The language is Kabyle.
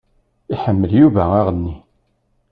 Iḥemmel Yuba aɣenni.